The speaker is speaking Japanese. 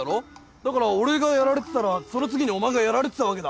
だから俺がやられてたらその次にお前がやられてたわけだ。